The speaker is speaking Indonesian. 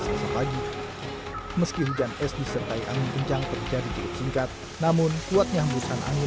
sesuatu meski hujan es disertai angin kencang terjadi singkat namun kuatnya musuhan angin